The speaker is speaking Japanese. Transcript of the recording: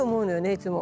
いつも。